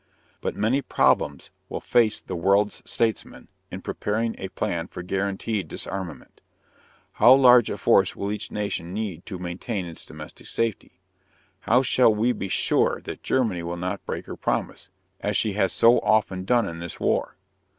But many problems will face the world's statesmen in preparing a plan for guaranteed disarmament. How large a force will each nation need to maintain its "domestic safety"? How shall we be sure that Germany will not break her promise, as she has so often done in this war?